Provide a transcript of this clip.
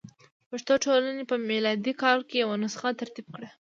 پښتو ټولنې په میلادي کال کې یوه نسخه ترتیب کړه.